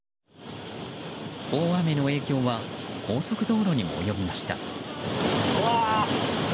大雨の影響は高速道路にも及びました。